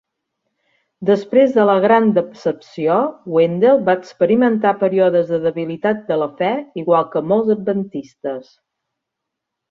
Després de la "Gran Decepció", Wendell va experimentar períodes de debilitat de la fe, igual que molts adventistes.